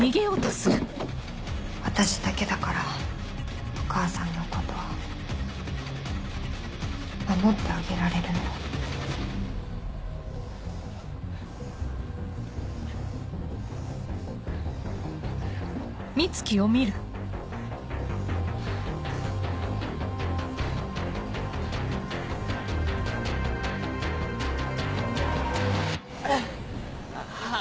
私だけだからお母さんのこと守ってあげられるのあ